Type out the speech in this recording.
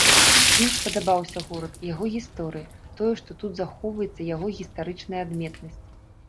Ім спадабаўся горад, яго гісторыя, тое, што тут захоўваецца яго гістарычная адметнасць.